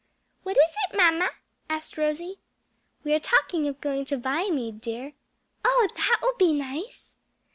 "What is it, mamma?" asked Rosie. "We are talking of going to Viamede, dear." "Oh that will be nice!"